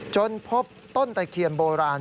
จนพบต้นตะเคียนโบราณ